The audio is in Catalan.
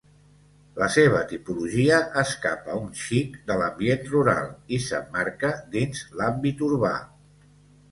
La seva tipologia escapa un xic de l'ambient rural i s'emmarca dins l'àmbit urbà.